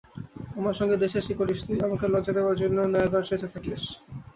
আমার সঙ্গে রেষারেষি করিস তুই, আমাকে লজ্জা দেবার জন্য ন্যায়বান সেজে থাকিস!